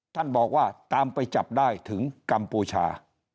ท่านบอกว่าตามไปจับได้ถึงกัมพูชา